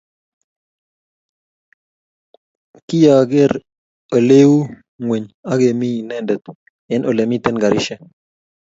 kiyageer oleiu ngweny olegimi inendet eng olemiten karishek